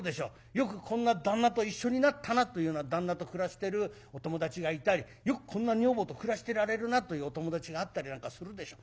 よくこんな旦那と一緒になったなというような旦那と暮らしてるお友達がいたりよくこんな女房と暮らしてられるなというお友達があったりなんかするでしょう。